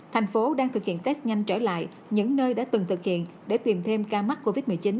thành phố đang thực hiện test nhanh trở lại những nơi đã từng thực hiện để tìm thêm ca mắc covid một mươi chín